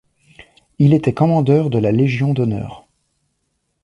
Il était commandeur de la Légion d’honneur.